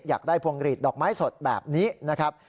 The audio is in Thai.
อยากได้พวงหลีดดอกไม้สดแบบนี้นะครับ